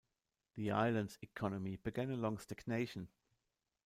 The island's economy began a long stagnantion.